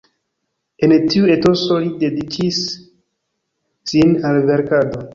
En tiu etoso li dediĉis sin al verkado.